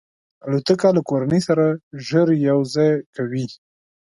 الوتکه له کورنۍ سره ژر یو ځای کوي.